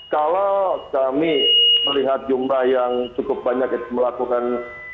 kalau kami melihat jumlah yang cukup banyak melakukan